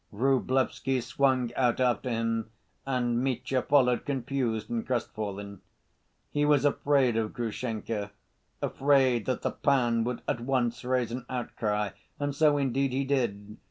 Vrublevsky swung out after him, and Mitya followed, confused and crestfallen. He was afraid of Grushenka, afraid that the pan would at once raise an outcry. And so indeed he did.